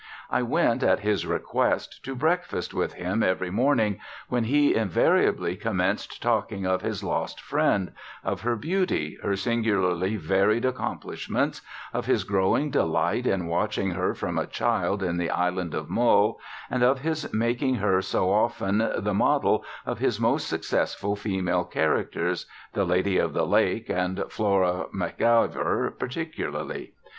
I went at his request to breakfast with him every morning, when he invariably commenced talking of his lost friend, of her beauty, her singularly varied accomplishments, of his growing delight in watching her from a child in the Island of Mull, and of his making her so often the model of his most successful female characters, the Lady of the Lake and Flora MacIvor particularly.